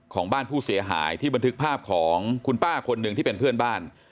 ของบ้านผู้เสียหายที่บันทึกภาพของคุณป้าคนหนึ่งที่เป็นเพื่อนบ้าน